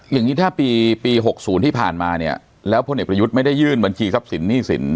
อย่างนี้ถ้าปีปี๖๐ที่ผ่านมาเนี่ยแล้วพลเอกประยุทธ์ไม่ได้ยื่นบัญชีทรัพย์สินหนี้สิน